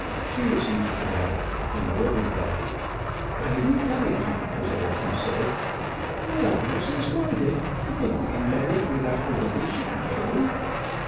She was used to that, and more than that. "Highty tighty!" was all she said. "Well, Mrs. Garded, I think we can manage without her ladyship, can't we?"